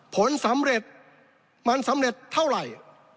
ผลสำเร็จมันสำเร็จเท่าไหร่